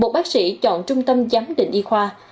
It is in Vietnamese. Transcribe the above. một bác sĩ chọn trung tâm giám định y khoa